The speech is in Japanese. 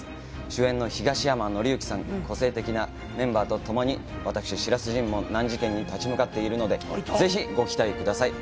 主演の東山紀之さん、個性的なメンバーと共に、私、白洲迅も難事件に立ち向かっているので、ぜひ、ご期待ください。